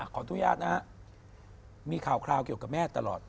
ขออนุญาตนะฮะมีข่าวเกี่ยวกับแม่ตลอด